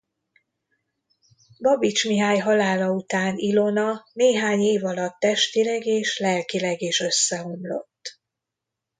Babits Mihály halála után Ilona néhány év alatt testileg és lelkileg is összeomlott.